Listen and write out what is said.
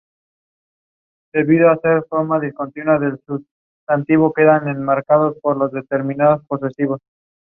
He has remained in post ever since.